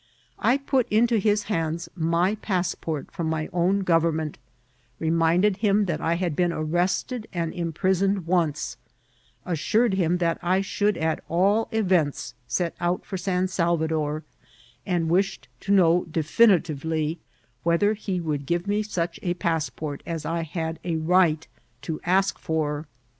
I put into hk hands my passport firom my own gov^n* ment, reminded him that I had be«i arrested and im prisoned once, assured him that I should at all events set out for San Salvador, and wished to know definitive ly whether he would give me such a paa^xyrt as I had a rig^t to ask for.